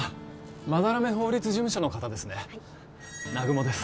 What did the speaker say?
斑目法律事務所の方ですね南雲です